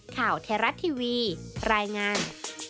ข่าวเทราทีวีรายงาน